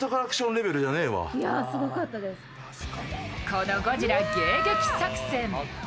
このゴジラ迎撃作戦。